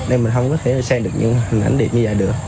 nên mình không có thể xem được những hình ảnh đẹp như vậy được